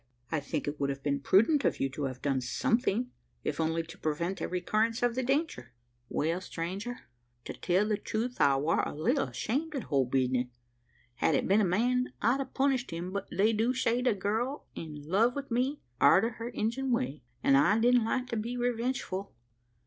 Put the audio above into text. I think it would have been prudent of you to have done something if only to prevent a recurrence of the danger." "Well, stranger! to tell truth, I war a leetle ashamed o' the whole bisness. Had it been a man, I'd a punished him; but they do say the girl's in love wi' me, arter her Injun way; an' I didn't like to be revengeful.